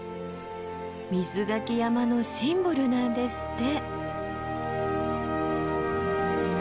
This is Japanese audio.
瑞牆山のシンボルなんですって。